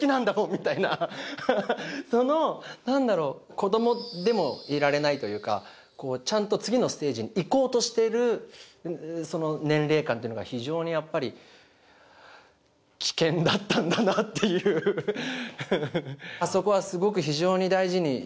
みたいなその何だろう子どもでもいられないというかちゃんと次のステージにいこうとしてるその年齢感というのが非常にやっぱり危険だったんだなっていうそこはすごく非常に大事にしました